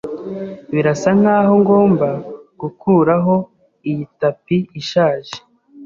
Birasa nkaho ngomba gukuraho iyi tapi ishaje.